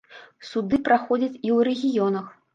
Суды праходзяць і ў рэгіёнах.